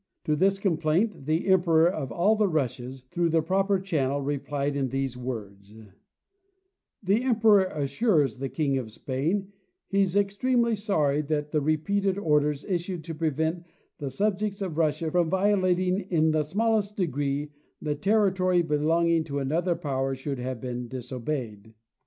To this complaint the Emperor of all the Russias, through the proper channel, rephed in these words : '"The Emperor assures the King of Spain he is extremely sorry that the repeated orders issued to prevent the subjects of Russia from vio lating in the smallest degree the territory belonging to another power should have been disobeyed."